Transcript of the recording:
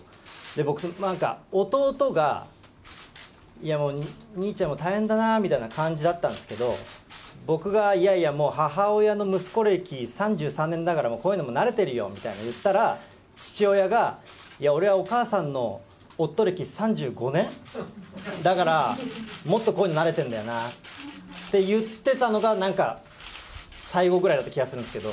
僕、なんか弟が、いやもう兄ちゃんは大変だなみたいな感じだったんですけど、僕がいやいや、母親の息子歴３３年だから、もうこういうのも慣れてるよみたいなことを言ったら、父親が、いや、俺はお母さんの夫歴３５年だから、もっとこういうの慣れてんだよなって言ってたのが、なんか、最後ぐらいだった気がするんですけど。